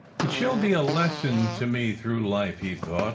"It shall be a lesson to me through life," he thought.